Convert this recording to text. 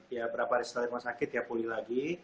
ya berapa hari setelah rumah sakit ya pulih lagi